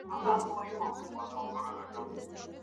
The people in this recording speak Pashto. ولي کوښښ کوونکی د تکړه سړي په پرتله هدف ترلاسه کوي؟